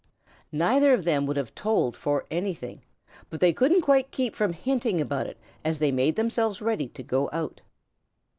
Neither of them would have told for anything, but they couldn't quite keep from hinting about it as they made themselves ready to go out.